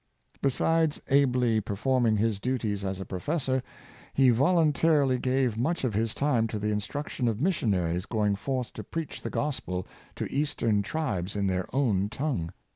Besides ably performing his duties as a professor, he voluntarily gave much of his time to the 326 Late Learners, instruction of missionaries going forth to preach the Gospel to Eastern tribes in their own tongue.